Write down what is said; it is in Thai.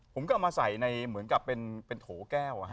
ผมก็เอามาใส่ในเหมือนกับเป็นโถแก้ว